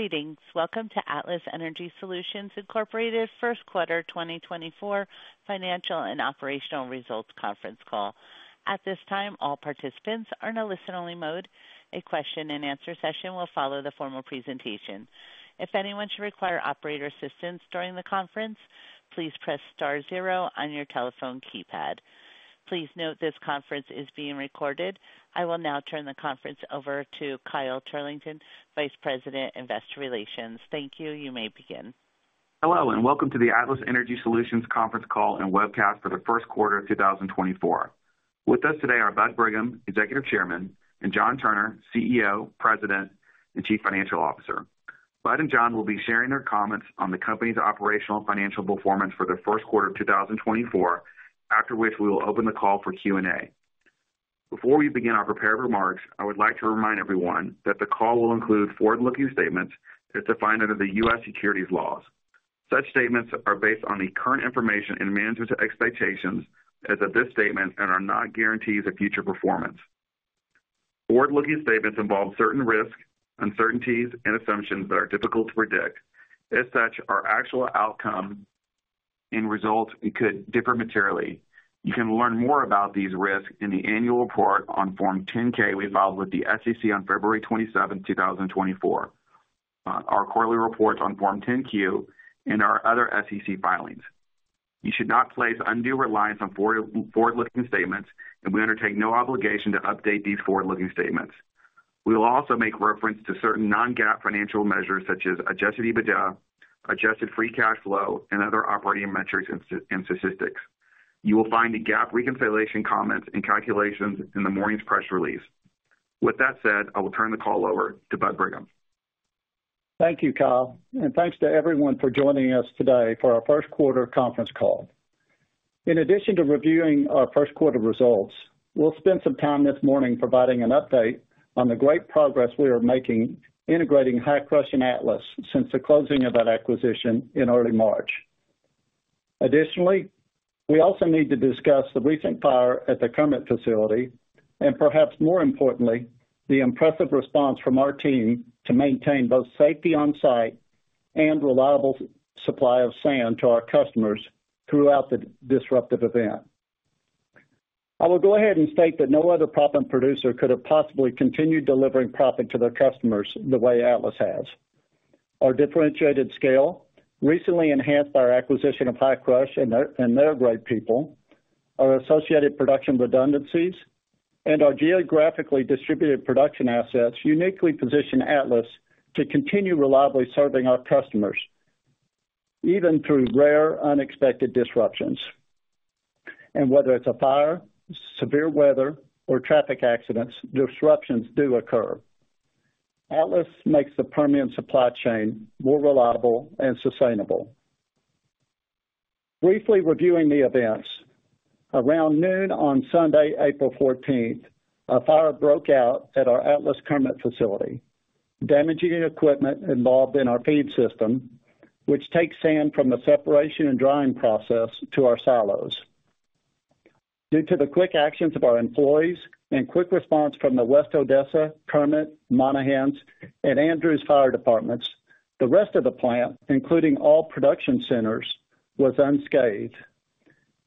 Greetings. Welcome to Atlas Energy Solutions Incorporated Q1 2024 Financial and Operational Results Conference Call. At this time, all participants are in a listen-only mode. A question-and-answer session will follow the formal presentation. If anyone should require operator assistance during the conference, please press star zero on your telephone keypad. Please note this conference is being recorded. I will now turn the conference over to Kyle Turlington, Vice President, Investor Relations. Thank you. You may begin. Hello, and welcome to the Atlas Energy Solutions conference call and webcast for the Q1 of 2024. With us today are Bud Brigham, Executive Chairman, and John Turner, CEO, President, and Chief Financial Officer. Bud and John will be sharing their comments on the company's operational and financial performance for the Q1 of 2024, after which we will open the call for Q&A. Before we begin our prepared remarks, I would like to remind everyone that the call will include forward-looking statements as defined under the U.S. securities laws. Such statements are based on the current information and management's expectations as of this statement and are not guarantees of future performance. Forward-looking statements involve certain risks, uncertainties, and assumptions that are difficult to predict. As such, our actual outcome and results could differ materially. You can learn more about these risks in the annual report on Form 10-K we filed with the SEC on February 27, 2024, our quarterly reports on Form 10-Q, and our other SEC filings. You should not place undue reliance on forward, forward-looking statements, and we undertake no obligation to update these forward-looking statements. We will also make reference to certain non-GAAP financial measures such as Adjusted EBITDA, Adjusted Free Cash Flow, and other operating metrics and statistics. You will find the GAAP reconciliation comments and calculations in the morning's press release. With that said, I will turn the call over to Bud Brigham. Thank you, Kyle, and thanks to everyone for joining us today for our Q1 conference call. In addition to reviewing our Q1 results, we'll spend some time this morning providing an update on the great progress we are making integrating Hi-Crush and Atlas since the closing of that acquisition in early March. Additionally, we also need to discuss the recent fire at the Kermit facility and, perhaps more importantly, the impressive response from our team to maintain both safety on site and reliable supply of sand to our customers throughout the disruptive event. I will go ahead and state that no other proppant producer could have possibly continued delivering proppant to their customers the way Atlas has. Our differentiated scale, recently enhanced by our acquisition of Hi-Crush and their, and their great people, our associated production redundancies, and our geographically distributed production assets uniquely position Atlas to continue reliably serving our customers, even through rare, unexpected disruptions. Whether it's a fire, severe weather, or traffic accidents, disruptions do occur. Atlas makes the Permian supply chain more reliable and sustainable. Briefly reviewing the events. Around noon on Sunday, April fourteenth, a fire broke out at our Atlas Kermit facility, damaging equipment involved in our feed system, which takes sand from the separation and drying process to our silos. Due to the quick actions of our employees and quick response from the West Odessa, Kermit, Monahans, and Andrews fire departments, the rest of the plant, including all production centers, was unscathed.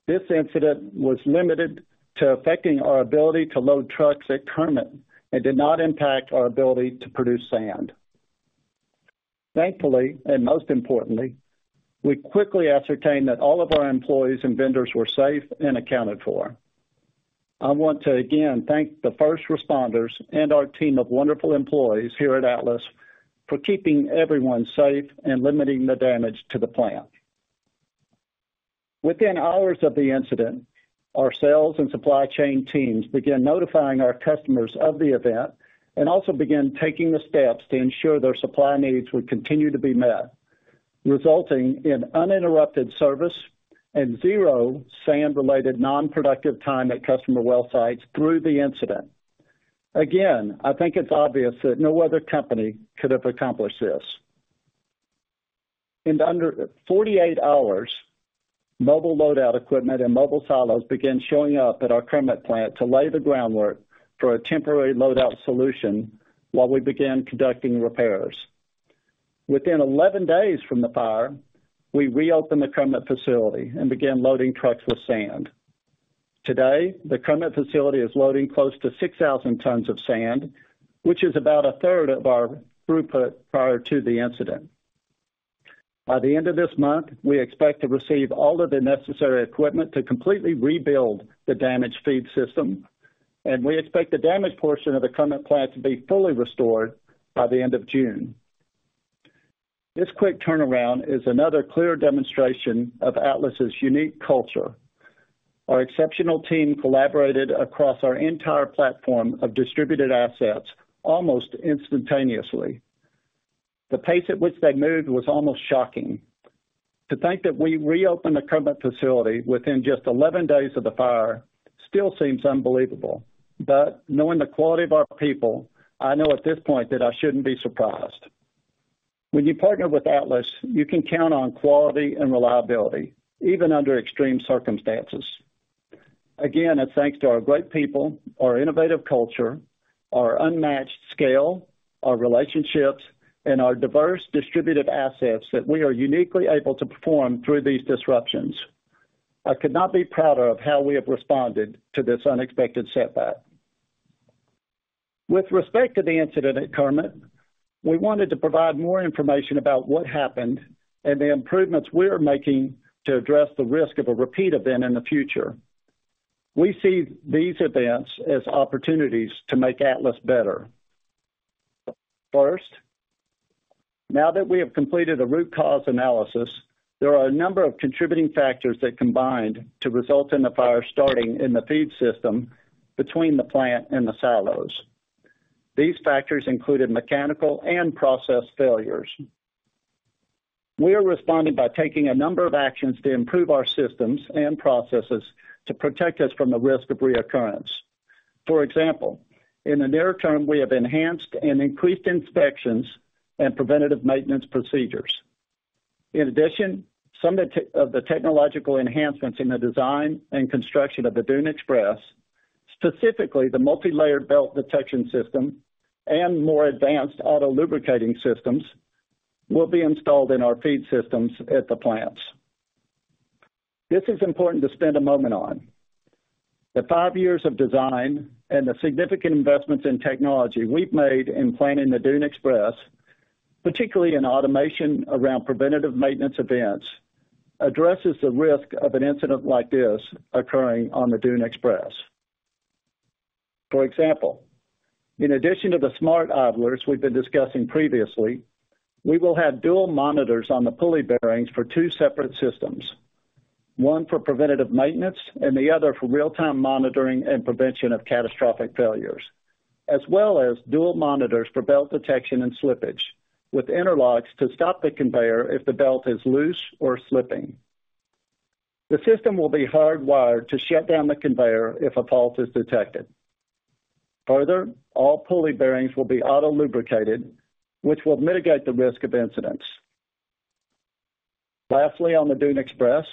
This incident was limited to affecting our ability to load trucks at Kermit and did not impact our ability to produce sand. Thankfully, and most importantly, we quickly ascertained that all of our employees and vendors were safe and accounted for. I want to again thank the first responders and our team of wonderful employees here at Atlas for keeping everyone safe and limiting the damage to the plant. Within hours of the incident, our sales and supply chain teams began notifying our customers of the event and also began taking the steps to ensure their supply needs would continue to be met, resulting in uninterrupted service and 0 sand-related non-productive time at customer well sites through the incident. Again, I think it's obvious that no other company could have accomplished this. In under 48 hours, mobile load-out equipment and mobile silos began showing up at our Kermit plant to lay the groundwork for a temporary load-out solution while we began conducting repairs. Within 11 days from the fire, we reopened the Kermit facility and began loading trucks with sand. Today, the Kermit facility is loading close to 6,000 tons of sand, which is about a third of our throughput prior to the incident. By the end of this month, we expect to receive all of the necessary equipment to completely rebuild the damaged feed system, and we expect the damaged portion of the Kermit plant to be fully restored by the end of June. This quick turnaround is another clear demonstration of Atlas's unique culture. Our exceptional team collaborated across our entire platform of distributed assets almost instantaneously. The pace at which they moved was almost shocking. To think that we reopened the Kermit facility within just 11 days of the fire still seems unbelievable, but knowing the quality of our people, I know at this point that I shouldn't be surprised. When you partner with Atlas, you can count on quality and reliability, even under extreme circumstances.... Again, it's thanks to our great people, our innovative culture, our unmatched scale, our relationships, and our diverse distributed assets that we are uniquely able to perform through these disruptions. I could not be prouder of how we have responded to this unexpected setback. With respect to the incident at Kermit, we wanted to provide more information about what happened and the improvements we are making to address the risk of a repeat event in the future. We see these events as opportunities to make Atlas better. First, now that we have completed a root cause analysis, there are a number of contributing factors that combined to result in the fire starting in the feed system between the plant and the silos. These factors included mechanical and process failures. We are responding by taking a number of actions to improve our systems and processes to protect us from the risk of reoccurrence. For example, in the near term, we have enhanced and increased inspections and preventative maintenance procedures. In addition, some of the technological enhancements in the design and construction of the Dune Express, specifically the multilayered belt detection system and more advanced auto-lubricating systems, will be installed in our feed systems at the plants. This is important to spend a moment on. The 5 years of design and the significant investments in technology we've made in planning the Dune Express, particularly in automation around preventative maintenance events, addresses the risk of an incident like this occurring on the Dune Express. For example, in addition to the Smart Idlers we've been discussing previously, we will have dual monitors on the pulley bearings for two separate systems, one for preventative maintenance and the other for real-time monitoring and prevention of catastrophic failures, as well as dual monitors for belt detection and slippage, with interlocks to stop the conveyor if the belt is loose or slipping. The system will be hardwired to shut down the conveyor if a fault is detected. Further, all pulley bearings will be auto-lubricated, which will mitigate the risk of incidents. Lastly, on the Dune Express,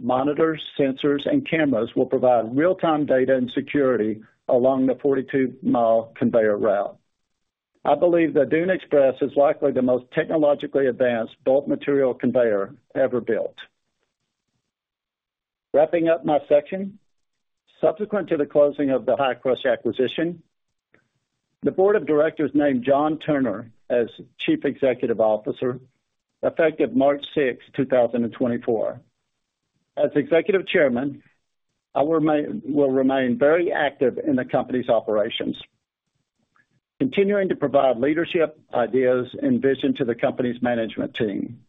monitors, sensors, and cameras will provide real-time data and security along the 42-mile conveyor route. I believe the Dune Express is likely the most technologically advanced bulk material conveyor ever built. Wrapping up my section, subsequent to the closing of the Hi-Crush acquisition, the board of directors named John Turner as Chief Executive Officer, effective March 6, 2024. As Executive Chairman, I will remain very active in the company's operations, continuing to provide leadership, ideas, and vision to the company's management team.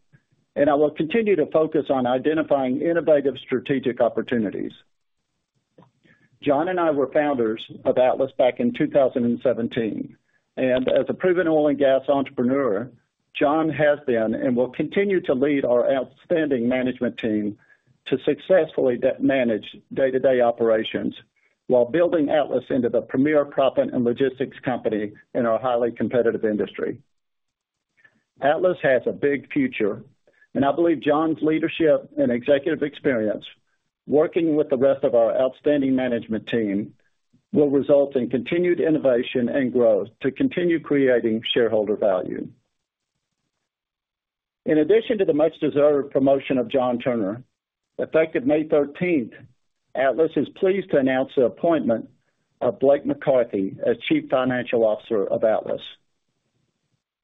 And I will continue to focus on identifying innovative strategic opportunities. John and I were founders of Atlas back in 2017, and as a proven oil and gas entrepreneur, John has been and will continue to lead our outstanding management team to successfully manage day-to-day operations while building Atlas into the premier proppant and logistics company in our highly competitive industry. Atlas has a big future, and I believe John's leadership and executive experience, working with the rest of our outstanding management team, will result in continued innovation and growth to continue creating shareholder value. In addition to the much-deserved promotion of John Turner, effective May thirteenth, Atlas is pleased to announce the appointment of Blake McCarthy as Chief Financial Officer of Atlas.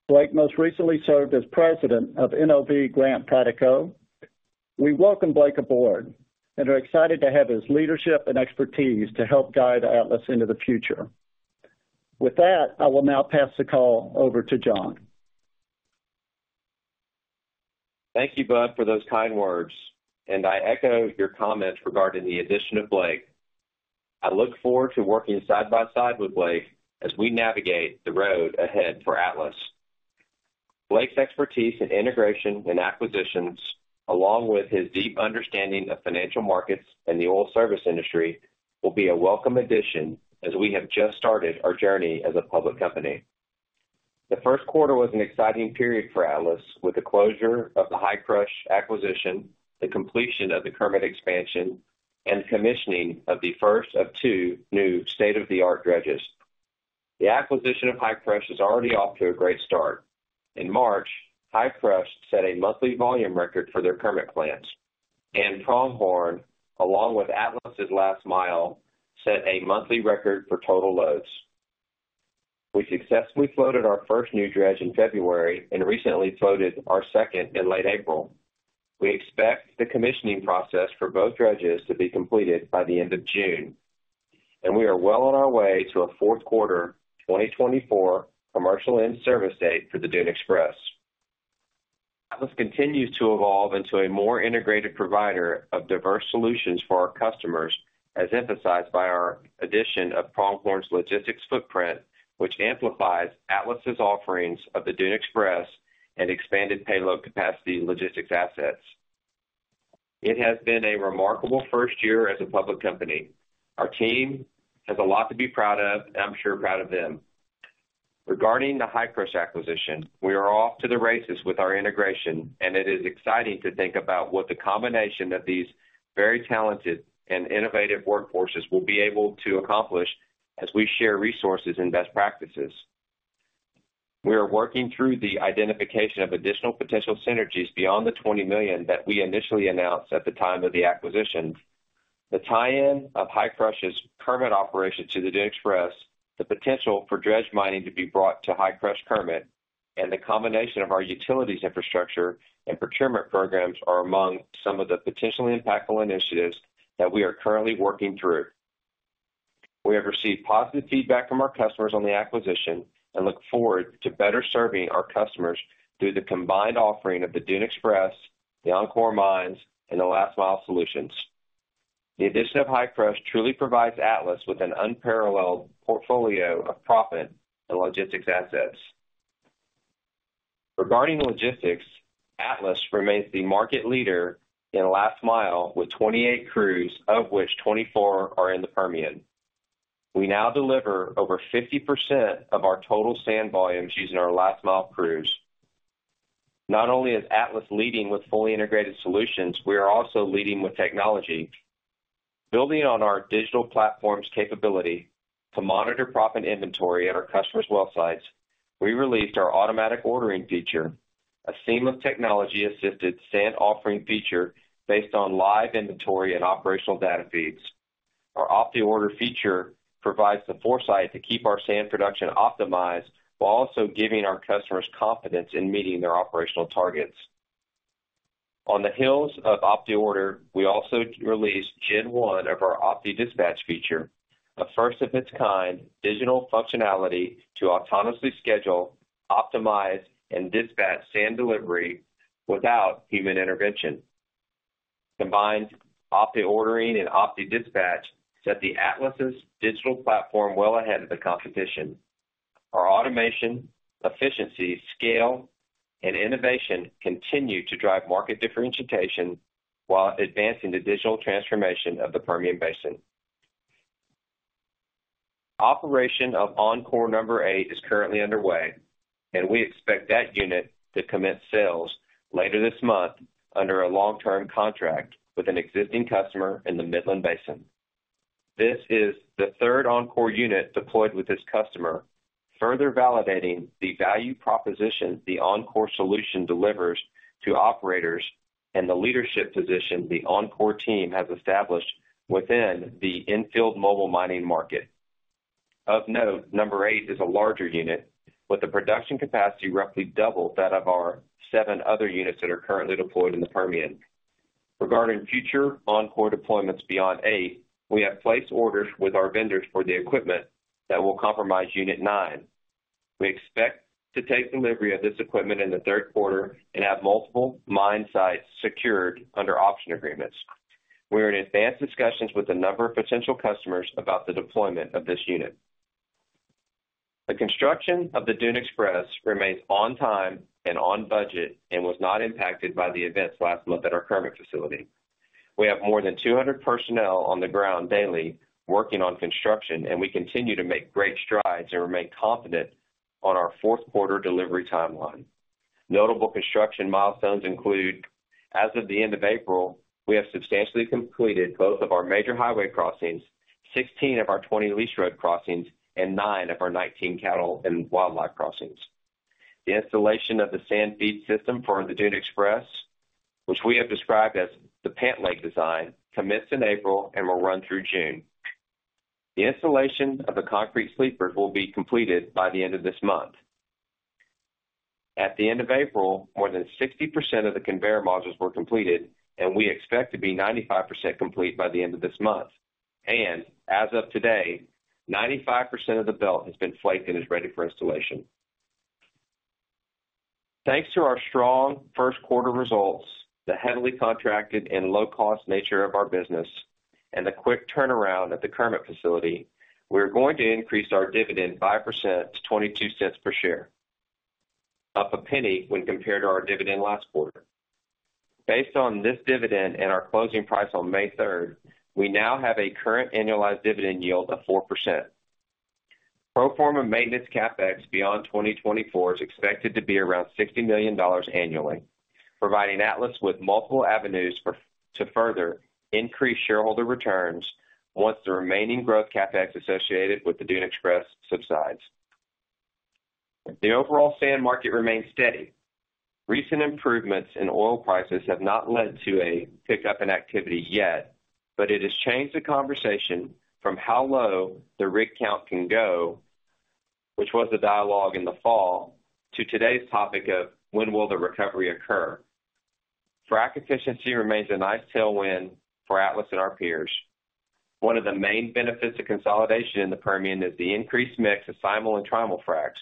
Blake most recently served as President of NOV Grant Prideco. We welcome Blake aboard and are excited to have his leadership and expertise to help guide Atlas into the future. With that, I will now pass the call over to John. Thank you, Bud, for those kind words, and I echo your comments regarding the addition of Blake. I look forward to working side by side with Blake as we navigate the road ahead for Atlas. Blake's expertise in integration and acquisitions, along with his deep understanding of financial markets and the oil service industry, will be a welcome addition as we have just started our journey as a public company. The Q1 was an exciting period for Atlas, with the closure of the Hi-Crush acquisition, the completion of the Kermit expansion, and commissioning of the first of two new state-of-the-art dredges. The acquisition of Hi-Crush is already off to a great start. In March, Hi-Crush set a monthly volume record for their Kermit plants, and Pronghorn, along with Atlas's Last Mile, set a monthly record for total loads. We successfully floated our first new dredge in February and recently floated our second in late April. We expect the commissioning process for both dredges to be completed by the end of June, and we are well on our way to a Q4, 2024 commercial in-service date for the Dune Express. Atlas continues to evolve into a more integrated provider of diverse solutions for our customers, as emphasized by our addition of Pronghorn's logistics footprint, which amplifies Atlas's offerings of the Dune Express and expanded payload capacity logistics assets. It has been a remarkable first year as a public company. Our team has a lot to be proud of, and I'm sure proud of them.... Regarding the Hi-Crush acquisition, we are off to the races with our integration, and it is exciting to think about what the combination of these very talented and innovative workforces will be able to accomplish as we share resources and best practices. We are working through the identification of additional potential synergies beyond the $20 million that we initially announced at the time of the acquisition. The tie-in of Hi-Crush's Kermit operation to the Dune Express, the potential for dredge mining to be brought to Hi-Crush Kermit, and the combination of our utilities infrastructure and procurement programs are among some of the potentially impactful initiatives that we are currently working through. We have received positive feedback from our customers on the acquisition and look forward to better serving our customers through the combined offering of the Dune Express, the OnCore Mines, and the Last Mile solutions. The addition of Hi-Crush truly provides Atlas with an unparalleled portfolio of proppant and logistics assets. Regarding logistics, Atlas remains the market leader in Last Mile, with 28 crews, of which 24 are in the Permian. We now deliver over 50% of our total sand volumes using our Last Mile crews. Not only is Atlas leading with fully integrated solutions, we are also leading with technology. Building on our digital platform's capability to monitor proppant inventory at our customers' well sites, we released our automatic ordering feature, a seamless technology-assisted sand offering feature based on live inventory and operational data feeds. Our OptiOrder feature provides the foresight to keep our sand production optimized, while also giving our customers confidence in meeting their operational targets. On the heels of OptiOrder, we also released Gen 1 of our OptiDispatch feature, a first of its kind digital functionality to autonomously schedule, optimize, and dispatch sand delivery without human intervention. Combined, OptiOrder and OptiDispatch set the Atlas's digital platform well ahead of the competition. Our automation, efficiency, scale, and innovation continue to drive market differentiation while advancing the digital transformation of the Permian Basin. Operation of OnCore number eight is currently underway, and we expect that unit to commence sales later this month under a long-term contract with an existing customer in the Midland Basin. This is the third OnCore unit deployed with this customer, further validating the value proposition the OnCore solution delivers to operators and the leadership position the OnCore team has established within the in-field mobile mining market. Of note, number eight is a larger unit, with a production capacity roughly double that of our 7 other units that are currently deployed in the Permian. Regarding future OnCore deployments beyond 8, we have placed orders with our vendors for the equipment that will comprise unit 9. We expect to take delivery of this equipment in the Q3 and have multiple mine sites secured under option agreements. We're in advanced discussions with a number of potential customers about the deployment of this unit. The construction of the Dune Express remains on time and on budget and was not impacted by the events last month at our Kermit facility. We have more than 200 personnel on the ground daily working on construction, and we continue to make great strides and remain confident on our Q4 delivery timeline. Notable construction milestones include, as of the end of April, we have substantially completed both of our major highway crossings, 16 of our 20 lease road crossings, and nine of our 19 cattle and wildlife crossings. The installation of the sand feed system for the Dune Express, which we have described as the pant leg design, commenced in April and will run through June. The installation of the concrete sleepers will be completed by the end of this month. At the end of April, more than 60% of the conveyor modules were completed, and we expect to be 95% complete by the end of this month. As of today, 95% of the belt has been flighted and is ready for installation. Thanks to our strong Q1 results, the heavily contracted and low-cost nature of our business, and the quick turnaround at the Kermit facility, we're going to increase our dividend by 5 percent to $0.22 per share, up a penny when compared to our dividend last quarter. Based on this dividend and our closing price on May 3, we now have a current annualized dividend yield of 4%. Pro forma maintenance CapEx beyond 2024 is expected to be around $60 million annually, providing Atlas with multiple avenues to further increase shareholder returns once the remaining growth CapEx associated with the Dune Express subsides. The overall sand market remains steady. Recent improvements in oil prices have not led to a pickup in activity yet, but it has changed the conversation from how low the rig count can go, which was the dialogue in the fall, to today's topic of when will the recovery occur? Frac efficiency remains a nice tailwind for Atlas and our peers. One of the main benefits of consolidation in the Permian is the increased mix of simul-fracs and trimul-fracs,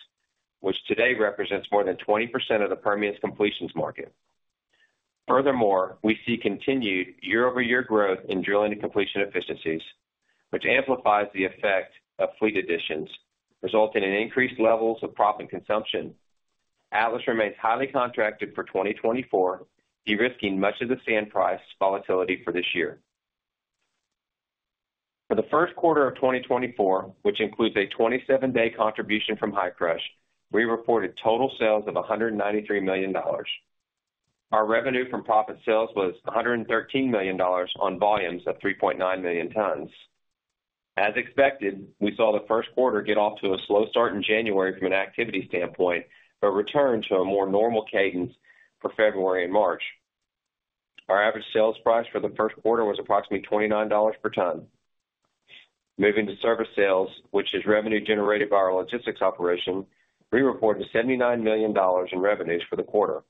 which today represents more than 20% of the Permian's completions market. Furthermore, we see continued year-over-year growth in drilling and completion efficiencies, which amplifies the effect of fleet additions, resulting in increased levels of proppant consumption. Atlas remains highly contracted for 2024, de-risking much of the sand price volatility for this year. For the Q1 of 2024, which includes a 27-day contribution from Hi-Crush, we reported total sales of $193 million. Our revenue from proppant sales was $113 million on volumes of 3.9 million tons. As expected, we saw the Q1 get off to a slow start in January from an activity standpoint, but returned to a more normal cadence for February and March. Our average sales price for the Q1 was approximately $29 per ton. Moving to service sales, which is revenue generated by our logistics operation, we reported $79 million in revenues for the quarter.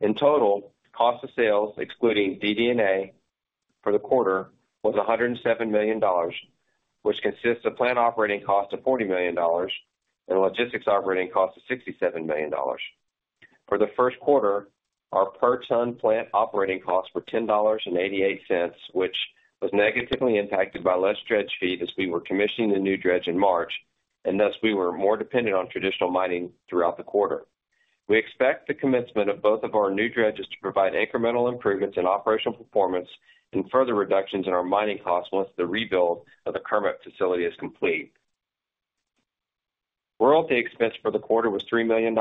In total, cost of sales, excluding DD&A for the quarter, was $107 million, which consists of plant operating costs of $40 million and logistics operating costs of $67 million. For the Q1, our per ton plant operating costs were $10.88, which was negatively impacted by less dredge fee as we were commissioning the new dredge in March, and thus we were more dependent on traditional mining throughout the quarter. We expect the commencement of both of our new dredges to provide incremental improvements in operational performance and further reductions in our mining costs once the rebuild of the Kermit facility is complete. Royalty expense for the quarter was $3 million.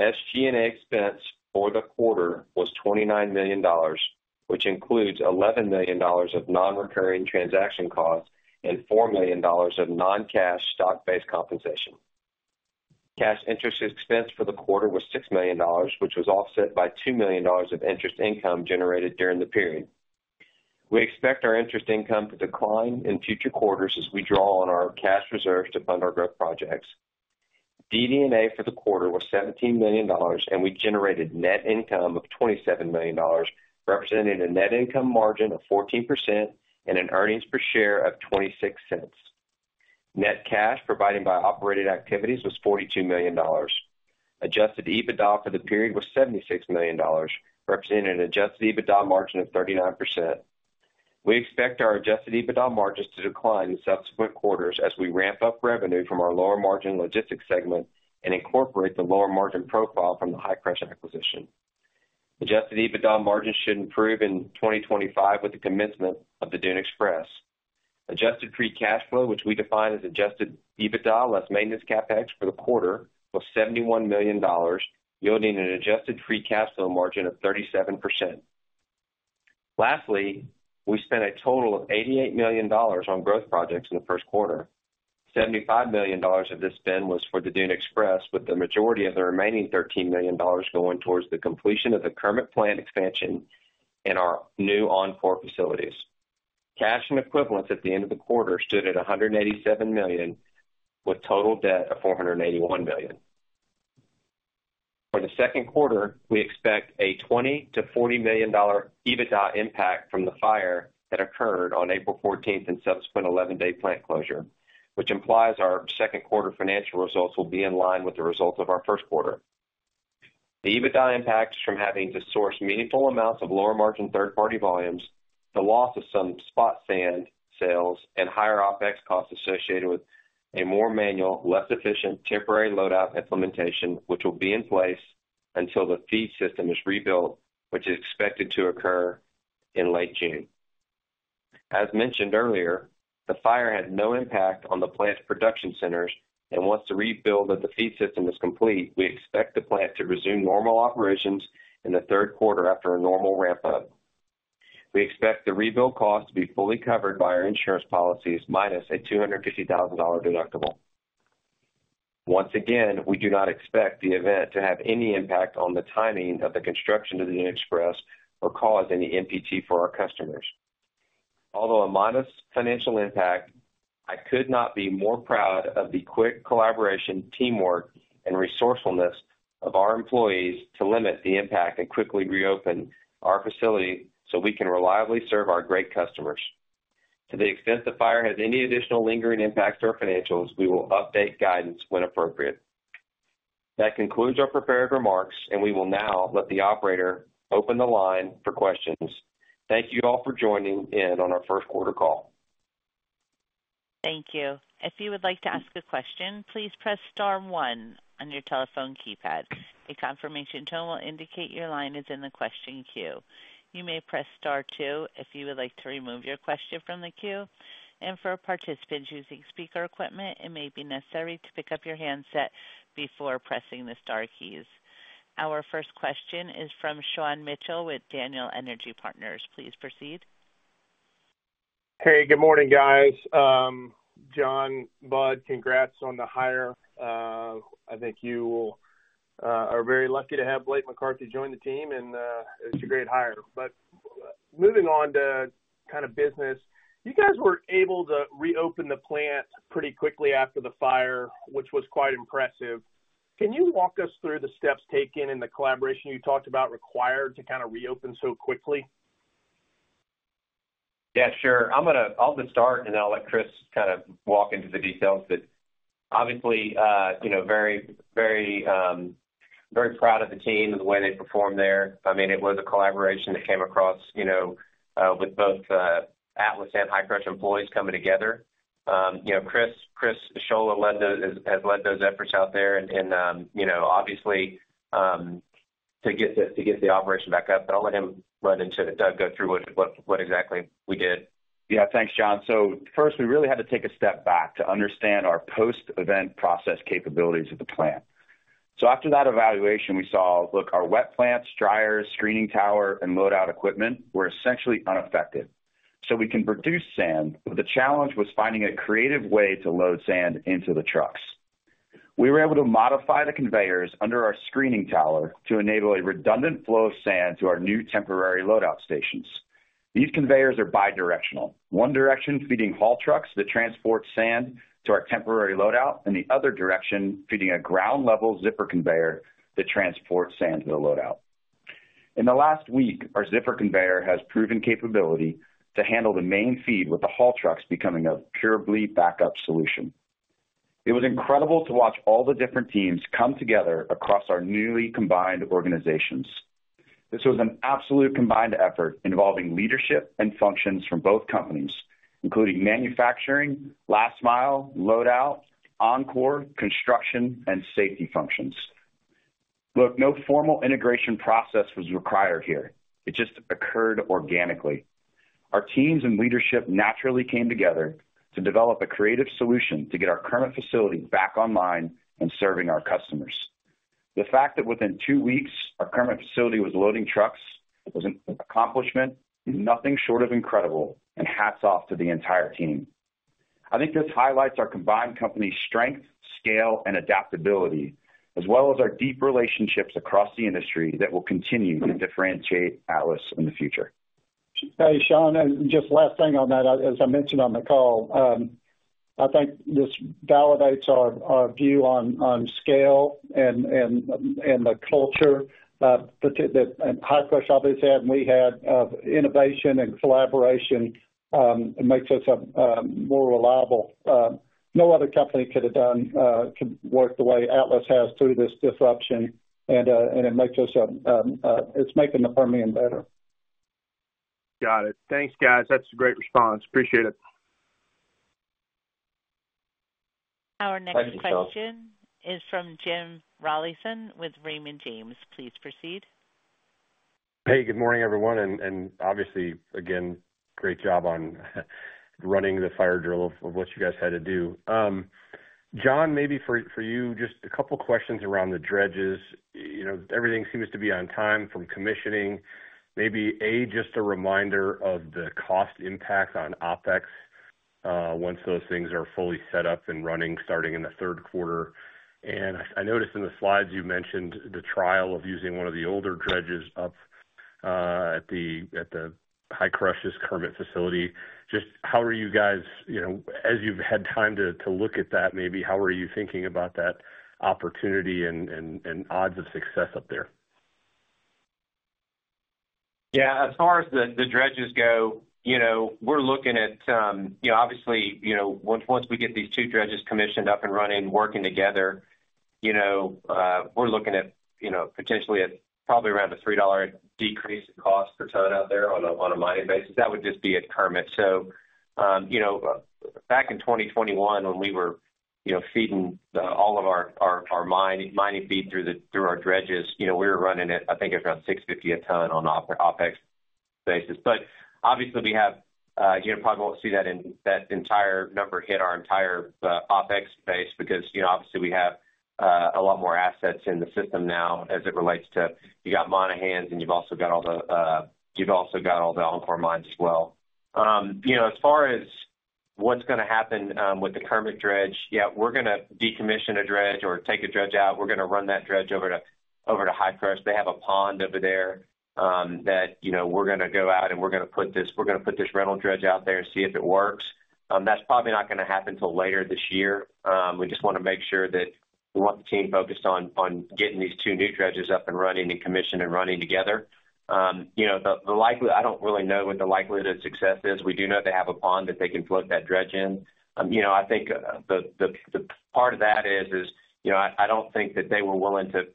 SG&A expense for the quarter was $29 million, which includes $11 million of nonrecurring transaction costs and $4 million of non-cash stock-based compensation. Cash interest expense for the quarter was $6 million, which was offset by $2 million of interest income generated during the period. We expect our interest income to decline in future quarters as we draw on our cash reserves to fund our growth projects. DD&A for the quarter was $17 million, and we generated net income of $27 million, representing a net income margin of 14% and an earnings per share of $0.26. Net cash provided by operating activities was $42 million. Adjusted EBITDA for the period was $76 million, representing an adjusted EBITDA margin of 39%. We expect our adjusted EBITDA margins to decline in subsequent quarters as we ramp up revenue from our lower margin logistics segment and incorporate the lower margin profile from the Hi-Crush acquisition. Adjusted EBITDA margins should improve in 2025 with the commencement of the Dune Express. Adjusted free cash flow, which we define as adjusted EBITDA less maintenance CapEx for the quarter, was $71 million, yielding an adjusted free cash flow margin of 37%. Lastly, we spent a total of $88 million on growth projects in the Q1. $75 million of this spend was for the Dune Express, with the majority of the remaining $13 million going towards the completion of the Kermit plant expansion and our new on-port facilities. Cash and equivalents at the end of the quarter stood at $187 million, with total debt of $481 million. For the Q2, we expect a $20 million-$40 million EBITDA impact from the fire that occurred on April 14 and subsequent 11-day plant closure, which implies our Q2 financial results will be in line with the results of our Q1. The EBITDA impacts from having to source meaningful amounts of lower margin third-party volumes, the loss of some spot sand sales, and higher OpEx costs associated with a more manual, less efficient, temporary load-out implementation, which will be in place until the feed system is rebuilt, which is expected to occur in late June. As mentioned earlier, the fire had no impact on the plant's production centers, and once the rebuild of the feed system is complete, we expect the plant to resume normal operations in the Q3 after a normal ramp up. We expect the rebuild costs to be fully covered by our insurance policies, minus a $250,000 deductible. Once again, we do not expect the event to have any impact on the timing of the construction of the Dune Express or cause any NPT for our customers. Although a modest financial impact, I could not be more proud of the quick collaboration, teamwork, and resourcefulness of our employees to limit the impact and quickly reopen our facility so we can reliably serve our great customers. To the extent the fire has any additional lingering impacts to our financials, we will update guidance when appropriate. That concludes our prepared remarks, and we will now let the operator open the line for questions. Thank you all for joining in on our Q1 call. Thank you. If you would like to ask a question, please press star one on your telephone keypad. A confirmation tone will indicate your line is in the question queue. You may press star two if you would like to remove your question from the queue, and for participants using speaker equipment, it may be necessary to pick up your handset before pressing the star keys. Our first question is from Sean Mitchell with Daniel Energy Partners. Please proceed. Hey, good morning, guys. John, Bud, congrats on the hire. I think you are very lucky to have Blake McCarthy join the team and it's a great hire. But moving on to kind of business: You guys were able to reopen the plant pretty quickly after the fire, which was quite impressive. Can you walk us through the steps taken and the collaboration you talked about required to kind of reopen so quickly? Yeah, sure. I'm gonna-- I'll just start, and then I'll let Chris kind of walk into the details. But obviously, you know, very, very, very proud of the team and the way they performed there. I mean, it was a collaboration that came across, you know, with both, Atlas and Hi-Crush employees coming together. You know, Chris, Chris Scholer led those-- has, has led those efforts out there. And, you know, obviously, to get the, to get the operation back up. But I'll let him run into-- Doug, go through what, what exactly we did. Yeah, thanks, John. So first, we really had to take a step back to understand our post-event process capabilities of the plant. So after that evaluation, we saw, look, our wet plants, dryers, screening tower, and load-out equipment were essentially unaffected. So we can produce sand, but the challenge was finding a creative way to load sand into the trucks. We were able to modify the conveyors under our screening tower to enable a redundant flow of sand to our new temporary load-out stations. These conveyors are bidirectional. One direction, feeding haul trucks that transport sand to our temporary load-out, and the other direction, feeding a ground-level zipper conveyor that transports sand to the load-out. In the last week, our zipper conveyor has proven capability to handle the main feed, with the haul trucks becoming a pure bleed backup solution. It was incredible to watch all the different teams come together across our newly combined organizations. This was an absolute combined effort involving leadership and functions from both companies, including manufacturing, Last Mile, load out, OnCore, construction, and safety functions. Look, no formal integration process was required here. It just occurred organically. Our teams and leadership naturally came together to develop a creative solution to get our current facility back online and serving our customers. The fact that within two weeks, our current facility was loading trucks, was an accomplishment, nothing short of incredible, and hats off to the entire team. I think this highlights our combined company's strength, scale, and adaptability, as well as our deep relationships across the industry that will continue to differentiate Atlas in the future. Hey, Sean, and just last thing on that, as I mentioned on the call, I think this validates our view on scale and the culture that Hi-Crush obviously had, and we had innovation and collaboration makes us more reliable. No other company could work the way Atlas has through this disruption, and it makes us, it's making the Permian better. Got it. Thanks, guys. That's a great response. Appreciate it. Our next question is from Jim Rollyson with Raymond James. Please proceed. Hey, good morning, everyone. And obviously, again, great job on running the fire drill of what you guys had to do. John, maybe for you, just a couple of questions around the dredges. You know, everything seems to be on time from commissioning. Maybe, A, just a reminder of the cost impact on OpEx, once those things are fully set up and running, starting in the Q3. And I noticed in the slides you mentioned the trial of using one of the older dredges up at the Hi-Crush's Kermit facility. Just how are you guys, you know, as you've had time to look at that, maybe how are you thinking about that opportunity and odds of success up there? Yeah, as far as the dredges go, you know, we're looking at, you know, obviously, you know, once we get these two dredges commissioned up and running, working together, you know, we're looking at, you know, potentially at probably around a $3 decrease in cost per ton out there on a mining basis. That would just be at Kermit. So, you know, back in 2021, when we were, you know, feeding all of our mining feed through our dredges, you know, we were running it, I think, around $6.50 a ton on the OpEx basis. But obviously, we have, you probably won't see that in-- that entire number hit our entire, OpEx base because, you know, obviously we have, a lot more assets in the system now as it relates to, you got Monahans, and you've also got all the, you've also got all the OnCore mines as well. You know, as far as what's gonna happen, with the Kermit dredge, yeah, we're gonna decommission a dredge or take a dredge out. We're gonna run that dredge over to, over to Hi-Crush. They have a pond over there, that, you know, we're gonna go out and we're gonna put this-- we're gonna put this rental dredge out there and see if it works. That's probably not gonna happen till later this year. We just wanna make sure that we want the team focused on getting these two new dredges up and running and commissioned and running together. You know, the likely. I don't really know what the likelihood of success is. We do know they have a pond that they can float that dredge in. You know, I think the part of that is, you know, I don't think that they were willing to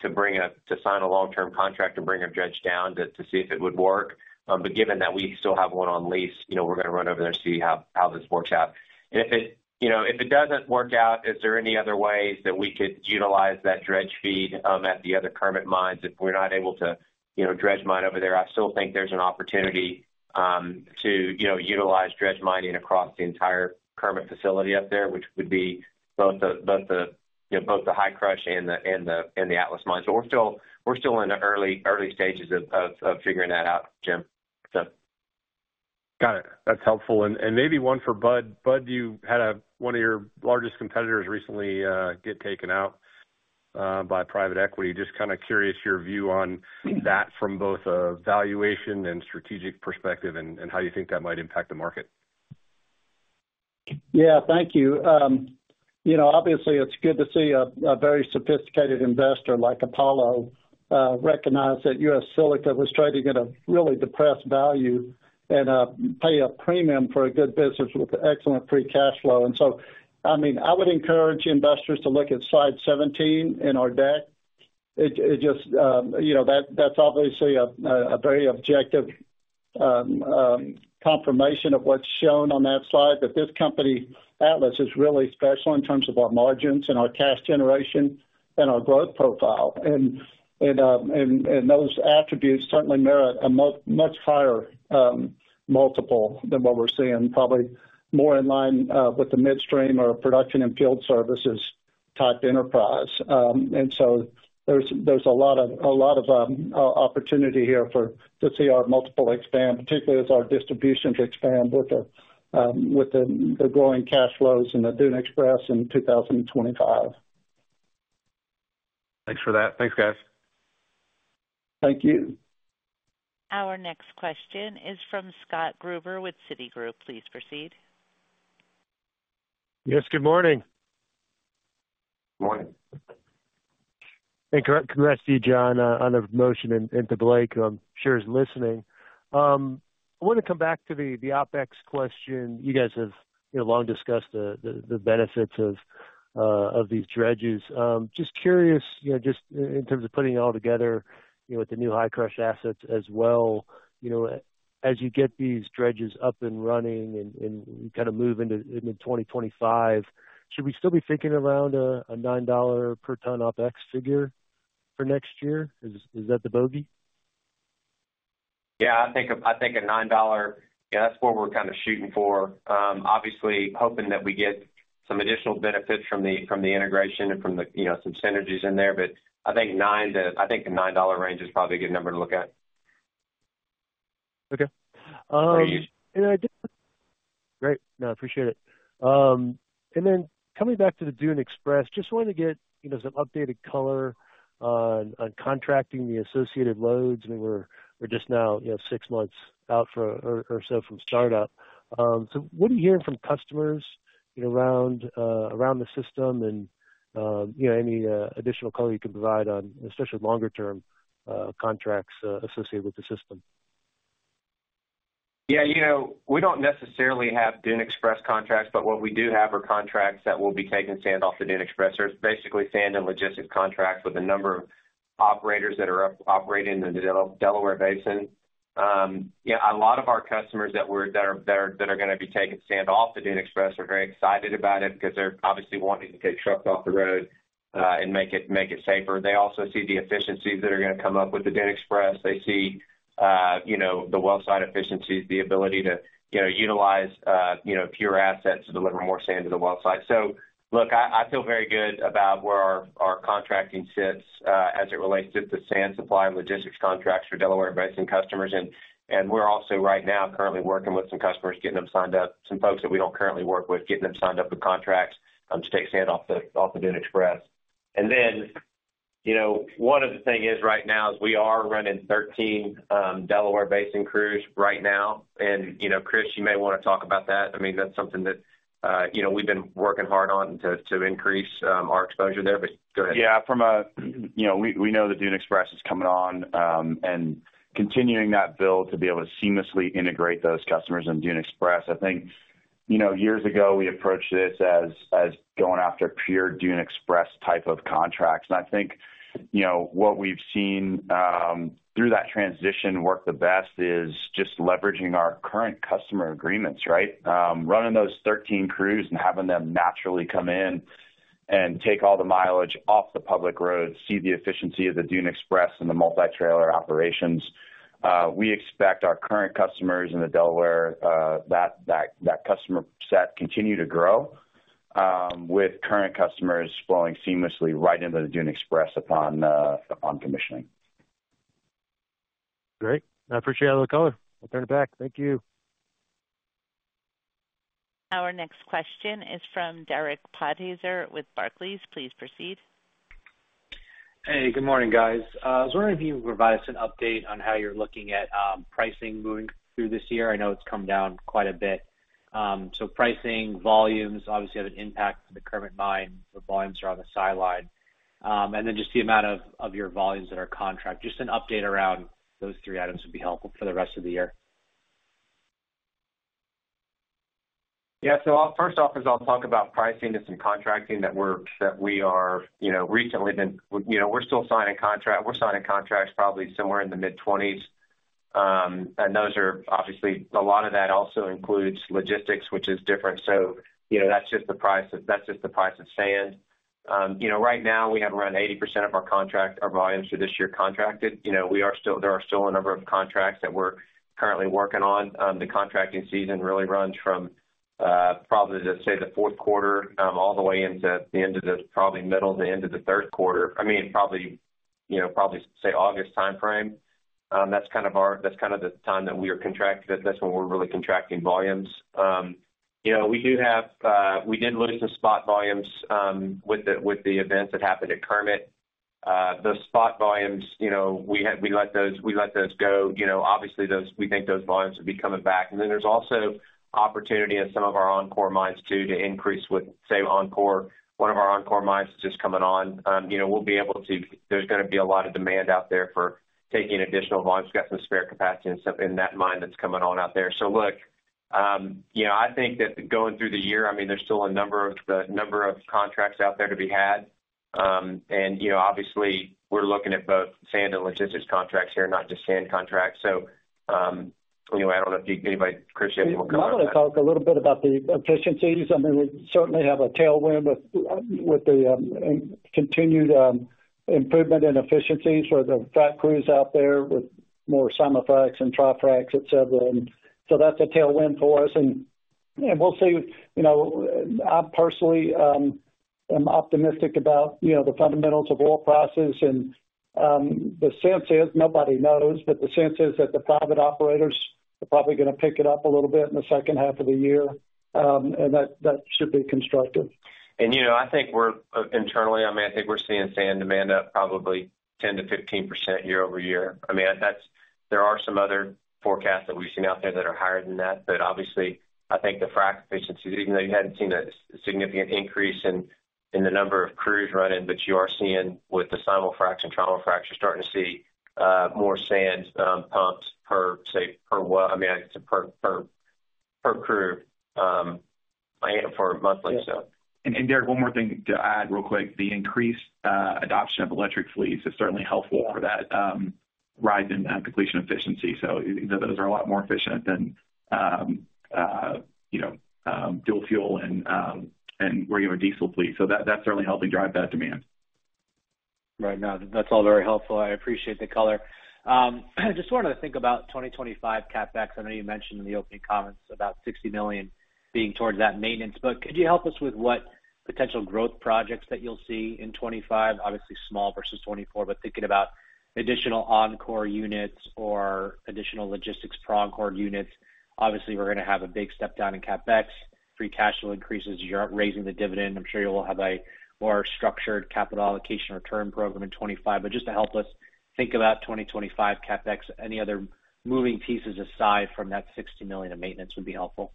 sign a long-term contract to bring a dredge down to see if it would work. But given that we still have one on lease, you know, we're gonna run over there and see how this works out. If it, you know, if it doesn't work out, is there any other ways that we could utilize that dredge feed at the other Kermit mines? If we're not able to, you know, dredge mine over there, I still think there's an opportunity to, you know, utilize dredge mining across the entire Kermit facility up there, which would be both the Hi-Crush and the Atlas mine. So we're still in the early stages of figuring that out, Jim, so. Got it. That's helpful. And, and maybe one for Bud. Bud, you had one of your largest competitors recently get taken out by private equity. Just kind of curious your view on that from both a valuation and strategic perspective, and, and how you think that might impact the market? Yeah. Thank you. You know, obviously, it's good to see a very sophisticated investor like Apollo recognize that U.S. Silica was trading at a really depressed value and pay a premium for a good business with excellent free cash flow. And so, I mean, I would encourage investors to look at slide 17 in our deck. It just, you know, that's obviously a very objective confirmation of what's shown on that slide, that this company, Atlas, is really special in terms of our margins and our cash generation and our growth profile. And those attributes certainly merit a much, much higher multiple than what we're seeing, probably more in line with the midstream or production and field services type enterprise. And so there's a lot of opportunity here for to see our multiple expand, particularly as our distributions expand with the growing cash flows in the Dune Express in 2025. Thanks for that. Thanks, guys. Thank you. Our next question is from Scott Gruber with Citigroup. Please proceed. Yes, good morning. Morning. And congrats to you, John, on the motion, and to Blake, who I'm sure is listening. I want to come back to the OpEx question. You guys have, you know, long discussed the benefits of these dredges. Just curious, you know, just in terms of putting it all together, you know, with the new Hi-Crush assets as well, you know, as you get these dredges up and running and you kind of move into 2025, should we still be thinking around a $9 per ton OpEx figure for next year? Is that the bogey? Yeah, I think a $9... Yeah, that's what we're kind of shooting for. Obviously, hoping that we get some additional benefits from the integration and from the, you know, some synergies in there. But I think the $9 range is probably a good number to look at. Okay. For you. And I did... Great. No, I appreciate it. And then coming back to the Dune Express, just wanted to get, you know, some updated color on, on contracting the associated loads. I mean, we're just now, you know, six months out or so from startup. So what are you hearing from customers, you know, around, around the system? And, you know, any additional color you can provide on, especially longer-term, contracts associated with the system? Yeah, you know, we don't necessarily have Dune Express contracts, but what we do have are contracts that will be taking sand off the Dune Express. So it's basically sand and logistics contracts with a number of operators that are operating in the Delaware Basin. Yeah, a lot of our customers that are gonna be taking sand off the Dune Express are very excited about it because they're obviously wanting to get trucks off the road and make it safer. They also see the efficiencies that are gonna come up with the Dune Express. They see, you know, the wellsite efficiencies, the ability to, you know, utilize proppant assets to deliver more sand to the wellsite. So look, I feel very good about where our contracting sits as it relates to the sand supply and logistics contracts for Delaware Basin customers. And we're also right now currently working with some customers, getting them signed up, some folks that we don't currently work with, getting them signed up with contracts to take sand off the Dune Express. And then, you know, one of the thing is right now is we are running 13 Delaware Basin crews right now. And, you know, Chris, you may want to talk about that. I mean, that's something that, you know, we've been working hard on to increase our exposure there, but go ahead. Yeah, from a, you know, we know the Dune Express is coming on, and continuing that build to be able to seamlessly integrate those customers on Dune Express. I think, you know, years ago, we approached this as going after pure Dune Express type of contracts. And I think, you know, what we've seen, through that transition work the best is just leveraging our current customer agreements, right? Running those 13 crews and having them naturally come in and take all the mileage off the public roads, see the efficiency of the Dune Express and the multi-trailer operations. We expect our current customers in the Delaware, that customer set continue to grow, with current customers flowing seamlessly right into the Dune Express upon commissioning. Great. I appreciate all the color. I'll turn it back. Thank you. Our next question is from Derek Podhaizer with Barclays. Please proceed. Hey, good morning, guys. I was wondering if you could provide us an update on how you're looking at pricing moving through this year. I know it's come down quite a bit. So pricing, volumes obviously have an impact on the current mine. The volumes are on the sideline. And then just the amount of your volumes that are contract. Just an update around those three items would be helpful for the rest of the year. Yeah. So first off, I'll talk about pricing and some contracting that we are, you know, recently been. You know, we're still signing contracts probably somewhere in the mid-20s. And those are obviously, a lot of that also includes logistics, which is different. So you know, that's just the price of sand. You know, right now, we have around 80% of our contract, our volumes for this year contracted. You know, there are still a number of contracts that we're currently working on. The contracting season really runs from, probably just say the Q4, all the way into the end of the, probably middle to end of the Q3. I mean, probably, you know, probably say August timeframe. That's kind of the time that we are contracted. That's when we're really contracting volumes. You know, we do have, we did lose some spot volumes with the events that happened at Kermit. Those spot volumes, you know, we let those go. You know, obviously, those, we think those volumes will be coming back. And then there's also opportunity in some of our OnCore mines, too, to increase with, say, OnCore. One of our OnCore mines is just coming on. You know, we'll be able to. There's gonna be a lot of demand out there for taking additional volumes. We've got some spare capacity in some in that mine that's coming on out there. So look, you know, I think that going through the year, I mean, there's still a number of contracts out there to be had. And, you know, obviously, we're looking at both sand and logistics contracts here, not just sand contracts. So, you know, I don't know if you, anybody, Chris, you want to come on that? I want to talk a little bit about the efficiencies. I mean, we certainly have a tailwind with the continued improvement in efficiencies for the frac crews out there, with more simul-fracs and trimul-fracs, et cetera. And so that's a tailwind for us. And we'll see, you know, I personally am optimistic about, you know, the fundamentals of oil prices. And the sense is nobody knows, but the sense is that the private operators are probably gonna pick it up a little bit in the second half of the year, and that should be constructive. You know, I think we're internally, I mean, I think we're seeing sand demand up probably 10%-15% year-over-year. I mean, that's. There are some other forecasts that we've seen out there that are higher than that, but obviously, I think the frac efficiencies, even though you hadn't seen a significant increase in the number of crews running, but you are seeing with the simul-fracs and trimul-fracs, you're starting to see more sand pumps per, say, per crew, and per monthly so. And, Derek, one more thing to add real quick. The increased adoption of electric fleets is certainly helpful for that rise in completion efficiency. So those are a lot more efficient than, you know, and regular diesel fleets. So that, that's certainly helping drive that demand. Right. No, that's all very helpful. I appreciate the color. Just wanted to think about 2025 CapEx. I know you mentioned in the opening comments about $60 million being toward that maintenance, but could you help us with what potential growth projects that you'll see in 2025? Obviously, small versus 2024, but thinking about additional OnCore units or additional logistics Promcore units. Obviously, we're gonna have a big step down in CapEx. Free cash flow increases. You're raising the dividend. I'm sure you will have a more structured capital allocation return program in 2025. But just to help us think about 2025 CapEx, any other moving pieces aside from that $60 million of maintenance would be helpful.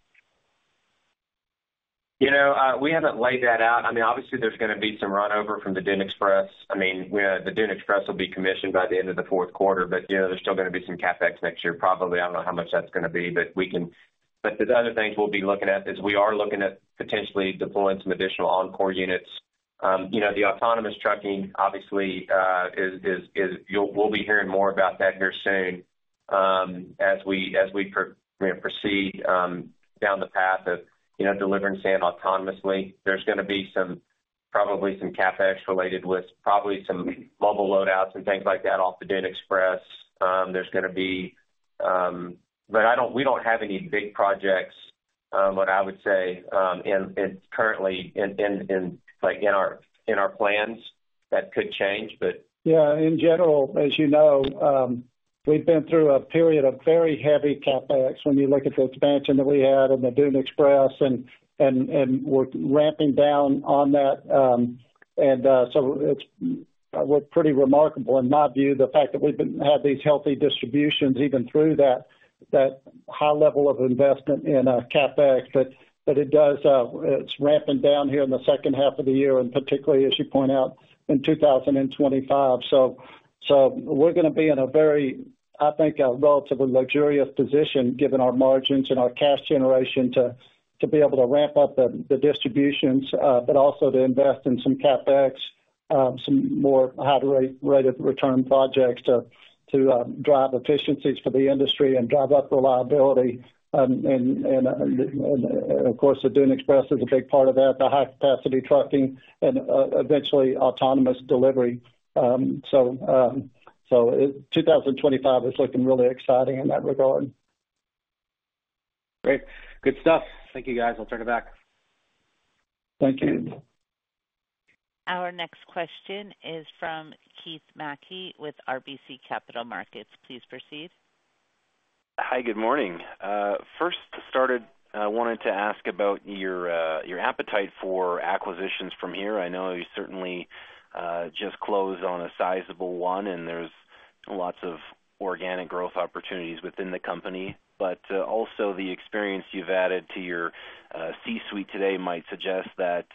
You know, we haven't laid that out. I mean, obviously, there's gonna be some run over from the Dune Express. I mean, the Dune Express will be commissioned by the end of the Q4, but, you know, there's still gonna be some CapEx next year, probably. I don't know how much that's gonna be, but there's other things we'll be looking at, is we are looking at potentially deploying some additional OnCore units. You know, the autonomous trucking obviously is. We'll be hearing more about that here soon, as we proceed down the path of delivering sand autonomously. There's gonna be some, probably some CapEx related with probably some mobile load outs and things like that off the Dune Express. There's gonna be. But I don't-- we don't have any big projects, what I would say, currently, like, in our plans. That could change but- Yeah, in general, as you know, we've been through a period of very heavy CapEx when you look at the expansion that we had in the Dune Express and we're ramping down on that. So it's pretty remarkable in my view, the fact that we've had these healthy distributions even through that high level of investment in CapEx. But it does, it's ramping down here in the second half of the year, and particularly as you point out, in 2025. So we're gonna be in a very, I think, a relatively luxurious position, given our margins and our cash generation, to be able to ramp up the distributions, but also to invest in some CapEx, some more high rate of return projects to drive efficiencies for the industry and drive up reliability. And, of course, the Dune Express is a big part of that, the high capacity trucking and eventually, autonomous delivery. So 2025 is looking really exciting in that regard. Great. Good stuff. Thank you, guys. I'll turn it back. Thank you. Our next question is from Keith Mackey with RBC Capital Markets. Please proceed. Hi, good morning. First to start it, I wanted to ask about your appetite for acquisitions from here. I know you certainly just closed on a sizable one, and there's lots of organic growth opportunities within the company, but also the experience you've added to your C-suite today might suggest that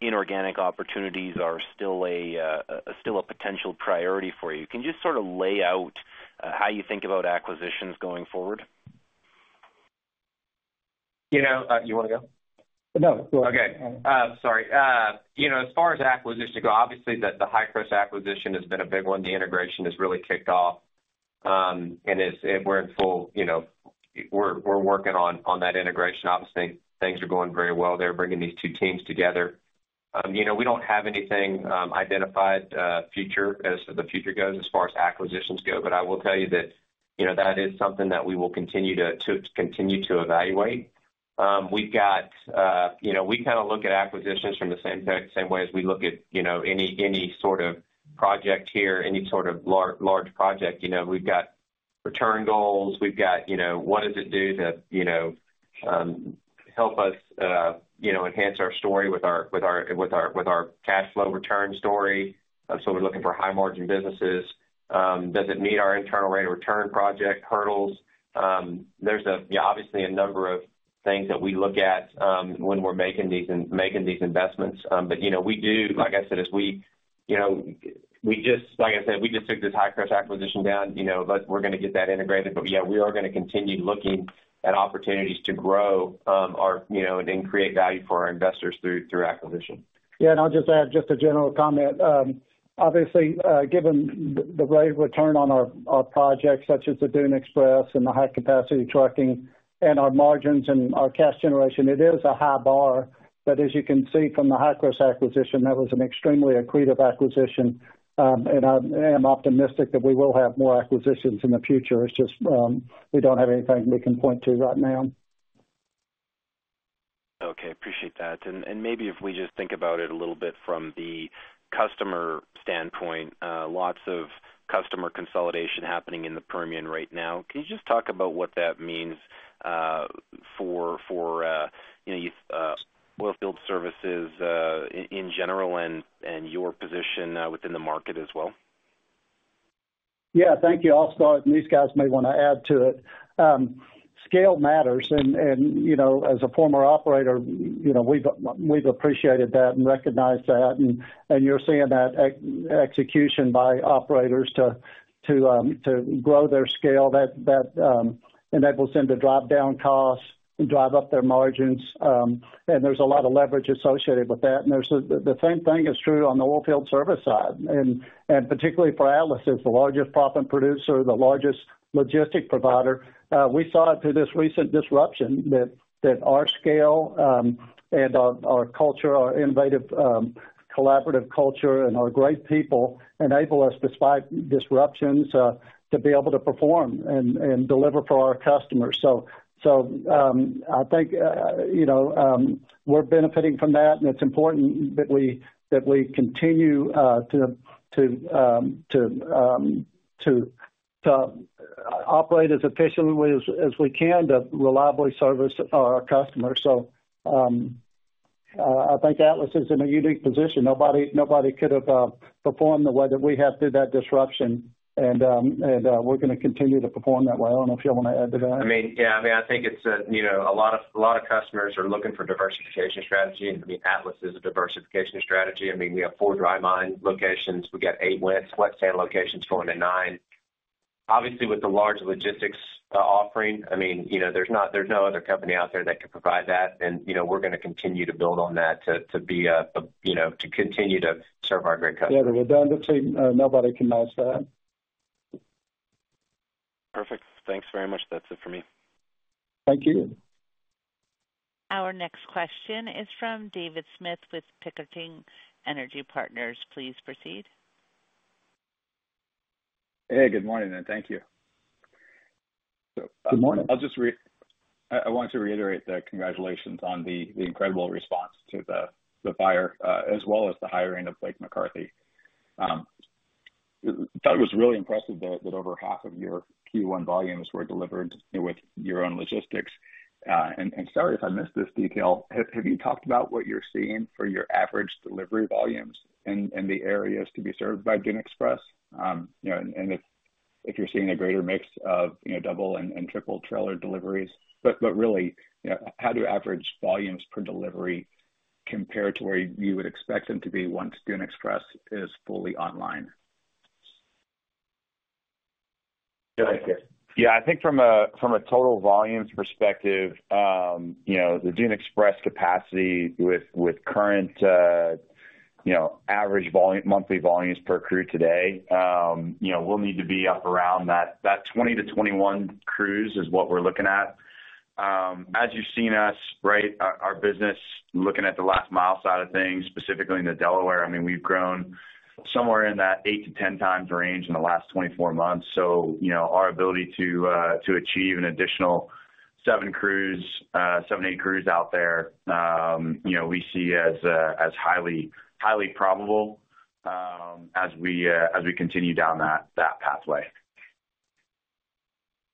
inorganic opportunities are still a potential priority for you. Can you just sort of lay out how you think about acquisitions going forward? You know, you want to go? No, go ahead. Okay. Sorry. You know, as far as acquisitions go, obviously, the Hi-Crush acquisition has been a big one. The integration has really kicked off, and it's... We're in full, you know, we're working on that integration. Obviously, things are going very well. They're bringing these two teams together. You know, we don't have anything identified future, as the future goes, as far as acquisitions go. But I will tell you that, you know, that is something that we will continue to evaluate. We've got, you know, we kind of look at acquisitions from the same tack, same way as we look at, you know, any sort of project here, any sort of large project. You know, we've got return goals, we've got, you know, what does it do to, you know, help us, you know, enhance our story with our, with our, with our, with our cash flow return story? So we're looking for high margin businesses. Does it meet our internal rate of return project hurdles? There's a, yeah, obviously, a number of things that we look at, when we're making these, making these investments. But you know, we do, like I said, as we, you know, we just, like I said, we just took this Hi-Crush acquisition down, you know, but we're gonna get that integrated. But yeah, we are gonna continue looking at opportunities to grow our, you know, and create value for our investors through acquisition. Yeah, and I'll just add a general comment. Obviously, given the great return on our projects such as the Dune Express and the high capacity trucking and our margins and our cash generation, it is a high bar. But as you can see from the Hi-Crush acquisition, that was an extremely accretive acquisition. And I am optimistic that we will have more acquisitions in the future. It's just, we don't have anything we can point to right now. Okay, appreciate that. And maybe if we just think about it a little bit from the customer standpoint, lots of customer consolidation happening in the Permian right now. Can you just talk about what that means for you know, oilfield services in general and your position within the market as well? Yeah, thank you. I'll start, and these guys may want to add to it. Scale matters, and you know, as a former operator, you know, we've appreciated that and recognized that, and you're seeing that execution by operators to grow their scale, that enables them to drive down costs and drive up their margins. And there's a lot of leverage associated with that. And there's the same thing is true on the oilfield service side, and particularly for Atlas, as the largest proppant producer, the largest logistics provider. We saw it through this recent disruption that our scale and our culture, our innovative collaborative culture and our great people enable us, despite disruptions, to be able to perform and deliver for our customers. So, I think, you know, we're benefiting from that, and it's important that we continue to operate as efficiently as we can to reliably service our customers. So, I think Atlas is in a unique position. Nobody, nobody could have performed the way that we have through that disruption, and we're gonna continue to perform that way. I don't know if y'all want to add to that. I mean, yeah, I mean, I think it's, you know, a lot of, a lot of customers are looking for diversification strategy, and I mean, Atlas is a diversification strategy. I mean, we have four dry mine locations. We got eight wet sand locations going to nine. Obviously, with the large logistics offering, I mean, you know, there's not, there's no other company out there that can provide that. And, you know, we're gonna continue to build on that, to, to be a, you know, to continue to serve our great customers. Yeah, well done. Let's say, nobody can match that. Perfect. Thanks very much. That's it for me. Thank you. Our next question is from David Smith with Pickering Energy Partners. Please proceed. Hey, good morning, and thank you. Good morning. I want to reiterate the congratulations on the incredible response to the fire, as well as the hiring of Blake McCarthy. I thought it was really impressive that over half of your Q1 volumes were delivered with your own logistics. Sorry if I missed this detail. Have you talked about what you're seeing for your average delivery volumes and the areas to be served by Dune Express? You know, and if you're seeing a greater mix of, you know, double and triple trailer deliveries. But really, you know, how do average volumes per delivery compare to where you would expect them to be once Dune Express is fully online? Yeah. I think from a total volumes perspective, you know, the Dune Express capacity with current, you know, average volume, monthly volumes per crew today, you know, we'll need to be up around that 20-21 crews is what we're looking at. As you've seen us, right, our business, looking at the Last Mile side of things, specifically in the Delaware, I mean, we've grown somewhere in that 8-10 times range in the last 24 months. So, you know, our ability to achieve an additional 7-8 crews out there, you know, we see as highly probable, as we continue down that pathway.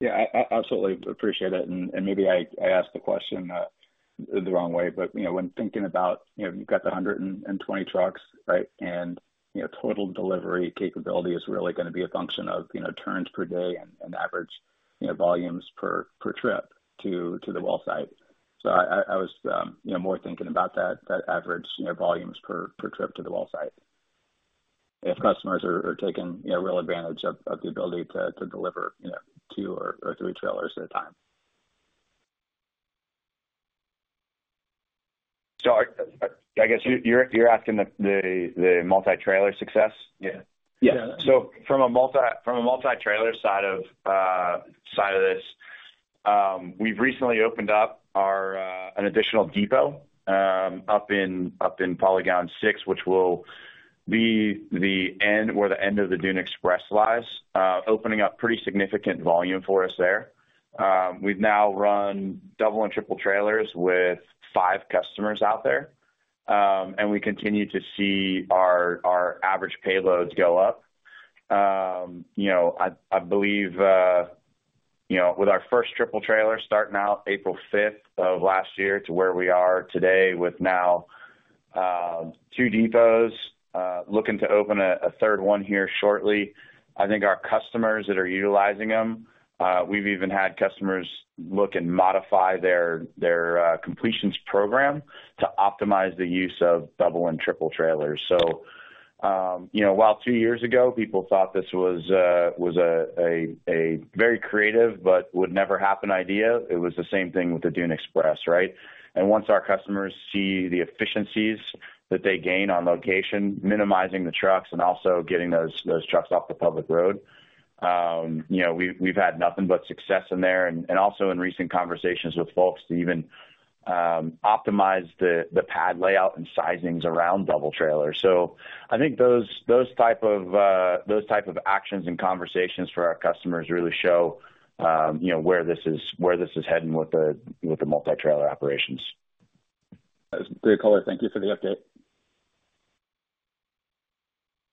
Yeah, I absolutely appreciate it, and maybe I asked the question the wrong way. But, you know, when thinking about, you know, you've got the 120 trucks, right? And, you know, total delivery capability is really gonna be a function of, you know, turns per day and average, you know, volumes per trip to the well site. So I was, you know, more thinking about that average, you know, volumes per trip to the well site. If customers are taking, you know, real advantage of the ability to deliver, you know, two or three trailers at a time. I guess you're asking the multi-trailer success? Yeah. Yeah. So from a multi-trailer side of this, we've recently opened up our an additional depot up in Polygon 6, which will be the end, where the end of the Dune Express lies, opening up pretty significant volume for us there. We've now run double and triple trailers with 5 customers out there. And we continue to see our average payloads go up. You know, I believe, you know, with our first triple trailer starting out April fifth of last year to where we are today with now 2 depots, looking to open a third one here shortly. I think our customers that are utilizing them. We've even had customers look and modify their completions program to optimize the use of double and triple trailers. So you know, while two years ago, people thought this was a very creative but would never happen idea, it was the same thing with the Dune Express, right? And once our customers see the efficiencies that they gain on location, minimizing the trucks and also getting those trucks off the public road, you know, we've had nothing but success in there and also in recent conversations with folks to even optimize the pad layout and sizings around double trailer. So I think those type of actions and conversations for our customers really show, you know, where this is heading with the multi-trailer operations. Great color. Thank you for the update.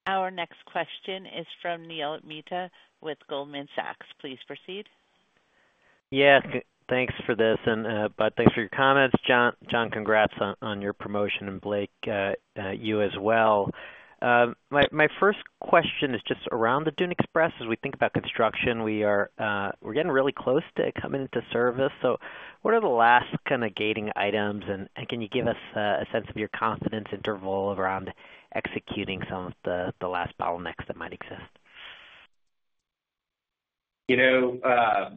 Our next question is from Neil Mehta with Goldman Sachs. Please proceed. Yes, thanks for this, and Bud, thanks for your comments. John, congrats on your promotion, and Blake, you as well. My first question is just around the Dune Express. As we think about construction, we're getting really close to coming into service. So what are the last kind of gating items, and can you give us a sense of your confidence interval around executing some of the last bottlenecks that might exist? You know, I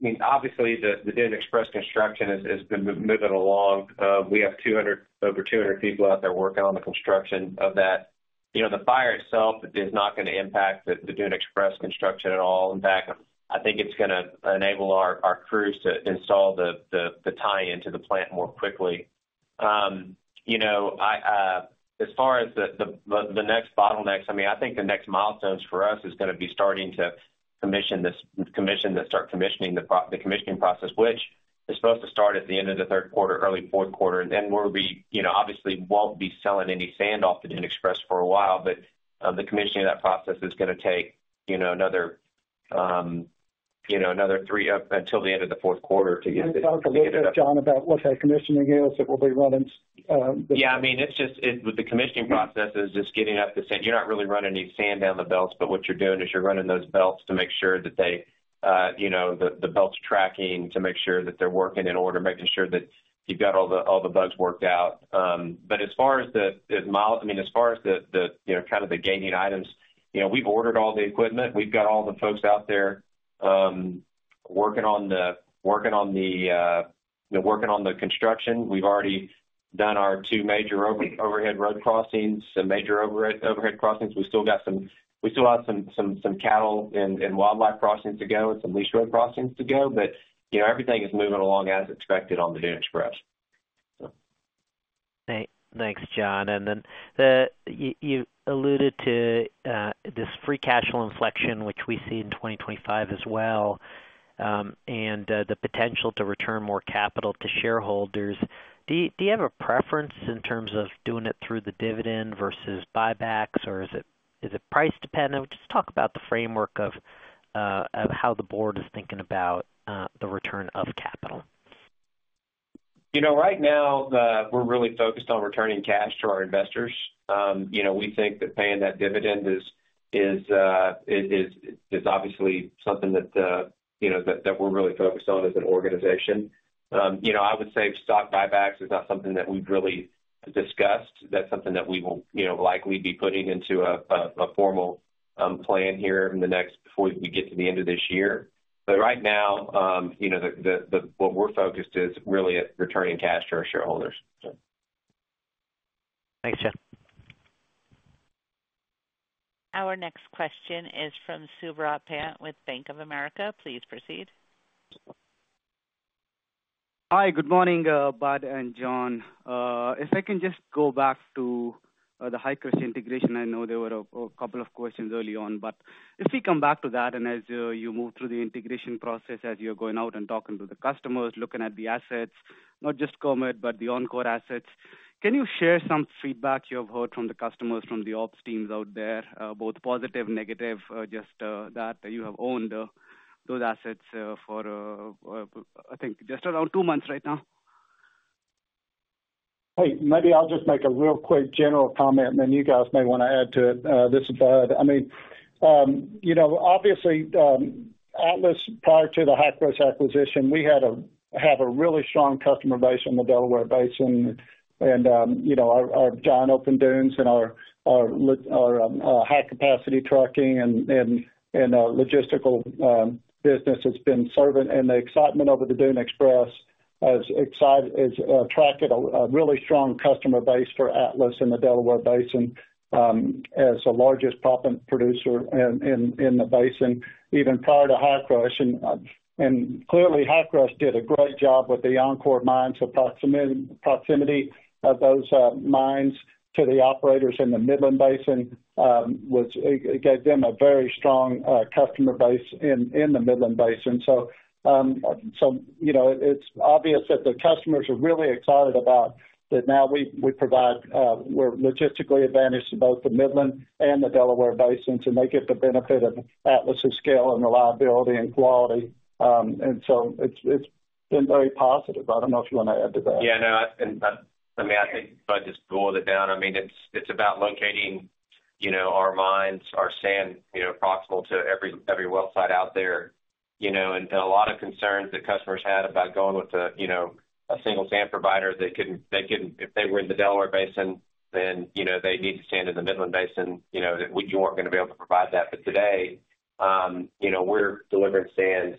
mean, obviously the Dune Express construction has been moving along. We have 200-- over 200 people out there working on the construction of that. You know, the fire itself is not gonna impact the Dune Express construction at all. In fact, I think it's gonna enable our crews to install the tie-in to the plant more quickly. You know, I, as far as the next bottlenecks, I mean, I think the next milestones for us is gonna be starting to commission this-- commission the, start commissioning the pro-- the commissioning process, which is supposed to start at the end of the Q3, early Q4. Then we'll be, you know, obviously, won't be selling any sand off the Dune Express for a while, but the commissioning of that process is gonna take, you know, another, you know, another three up until the end of the Q4 to get this- Can you talk a little bit, John, about what that commissioning is? It will be running, Yeah, I mean, it's just with the commissioning process is just getting up the sand. You're not really running any sand down the belts, but what you're doing is you're running those belts to make sure that they, you know, the belts tracking, to make sure that they're working in order, making sure that you've got all the, all the bugs worked out. But as far as the, you know, kind of the gaining items, you know, we've ordered all the equipment. We've got all the folks out there working on the construction. We've already done our two major overhead road crossings, some major overhead crossings. We still have some cattle and wildlife crossings to go and some lease road crossings to go, but, you know, everything is moving along as expected on the Dune Express. Thanks, John. And then you alluded to this free cash flow inflection, which we see in 2025 as well, and the potential to return more capital to shareholders. Do you have a preference in terms of doing it through the dividend versus buybacks, or is it price dependent? Just talk about the framework of how the board is thinking about the return of capital. You know, right now, we're really focused on returning cash to our investors. You know, we think that paying that dividend is obviously something that, you know, that we're really focused on as an organization. You know, I would say stock buybacks is not something that we've really discussed. That's something that we will, you know, likely be putting into a formal plan here in the next, before we get to the end of this year. But right now, you know, what we're focused is really at returning cash to our shareholders. Thanks, John. Our next question is from Saurabh Pant with Bank of America. Please proceed. Hi, good morning, Bud and John. If I can just go back to the Hi-Crush integration. I know there were a couple of questions early on. But if we come back to that, and as you move through the integration process, as you're going out and talking to the customers, looking at the assets, not just Kermit, but the OnCore assets. Can you share some feedback you have heard from the customers, from the ops teams out there, both positive, negative, just that you have owned those assets for I think just around two months right now? Hey, maybe I'll just make a real quick general comment, and then you guys may want to add to it. This is Bud. I mean, you know, obviously, Atlas, prior to the Hi-Crush acquisition, we have a really strong customer base on the Delaware Basin. And, you know, our giant open dunes and our high capacity trucking and logistical business has been serving. And the excitement over the Dune Express has attracted a really strong customer base for Atlas in the Delaware Basin, as the largest proppant producer in the basin, even prior to Hi-Crush. And clearly, Hi-Crush did a great job with the OnCore mines. The proximity of those mines to the operator in the Midland Basin was. It gave them a very strong customer base in the Midland Basin. So, you know, it's obvious that the customers are really excited about that. Now we provide, we're logistically advantaged to both the Midland and the Delaware basins, and they get the benefit of Atlas' scale and reliability and quality. And so it's been very positive. I don't know if you want to add to that. Yeah, no, and I mean, I think Bud just boiled it down. I mean, it's about locating, you know, our mines, our sand, you know, proximal to every well site out there. You know, and a lot of concerns that customers had about going with a, you know, a single sand provider, they couldn't, if they were in the Delaware Basin, then, you know, they need to sand in the Midland Basin, you know, that we weren't gonna be able to provide that. But today, you know, we're delivering sands,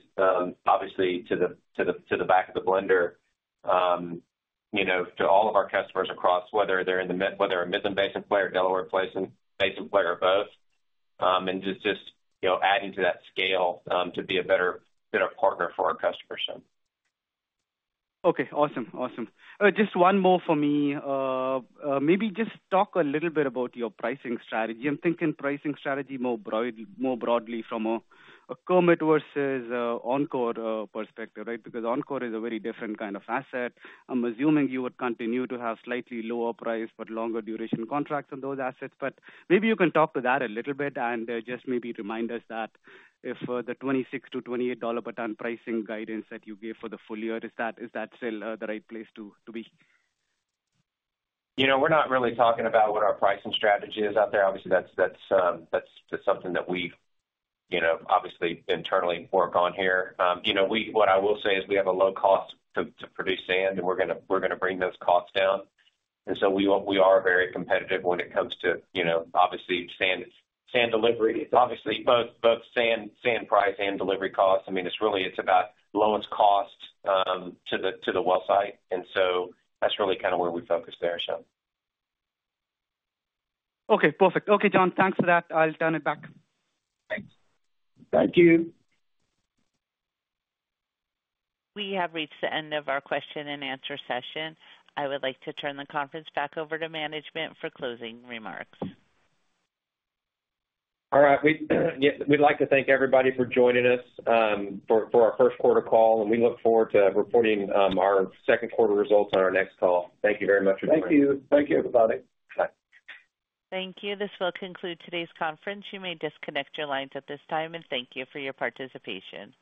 obviously, to the back of the blender, you know, to all of our customers across, whether a Midland Basin player, Delaware Basin player, or both. And just you know, adding to that scale, to be a better partner for our customers, so. Okay, awesome. Awesome. Just one more for me. Maybe just talk a little bit about your pricing strategy. I'm thinking pricing strategy more broad, more broadly from a Kermit versus OnCore perspective, right? Because OnCore is a very different kind of asset. I'm assuming you would continue to have slightly lower price, but longer duration contracts on those assets. But maybe you can talk to that a little bit, and just maybe remind us that if the $26-$28 per ton pricing guidance that you gave for the full year, is that still the right place to be? You know, we're not really talking about what our pricing strategy is out there. Obviously, that's something that we've, you know, obviously internally work on here. You know, what I will say is we have a low cost to produce sand, and we're gonna bring those costs down. And so we are very competitive when it comes to, you know, obviously, sand delivery. Obviously, both sand price and delivery costs. I mean, it's really about lowest cost to the well site, and so that's really kind of where we focus there, Saurabh. Okay, perfect. Okay, John, thanks for that. I'll turn it back. Thanks. Thank you. We have reached the end of our question-and-answer session. I would like to turn the conference back over to management for closing remarks. All right. We, yeah, we'd like to thank everybody for joining us for our Q1 call, and we look forward to reporting our Q2 results on our next call. Thank you very much. Thank you. Thank you, everybody. Bye. Thank you. This will conclude today's conference. You may disconnect your lines at this time, and thank you for your participation.